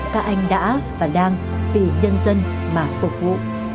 các anh đã và đang vì nhân dân mà phục vụ